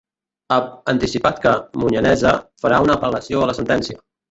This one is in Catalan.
Ha anticipat que Munyaneza farà una apel·lació a la sentència.